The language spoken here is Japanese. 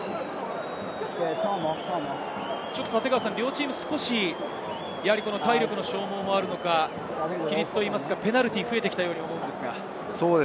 両チーム、少し体力の消耗もあるのか、規律といいますか、ペナルティーが増えてきたように見えるんですが。